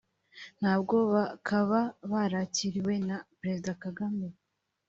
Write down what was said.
nabwo bakaba barakiriwe na Perezida Kagame